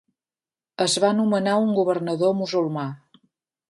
Es va nomenar un governador musulmà.